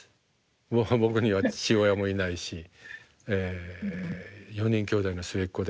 僕には父親もいないし４人きょうだいの末っ子で。